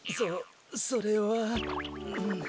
そそれは。